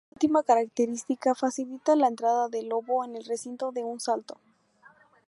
Esta última característica facilita la entrada del lobo en el recinto de un salto.